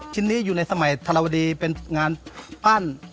ชิ้นนี้อยู่ในสมัยธรวดีเป็นงานปั้น